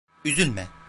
Üzülme.